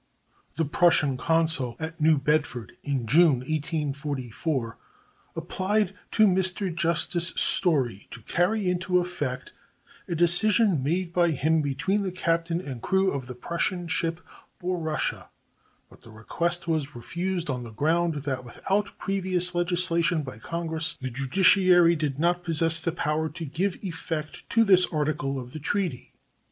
The Prussian consul at New Bedford in June, 1844, applied to Mr. Justice Story to carry into effect a decision made by him between the captain and crew of the Prussian ship Borussia, but the request was refused on the ground that without previous legislation by Congress the judiciary did not possess the power to give effect to this article of the treaty.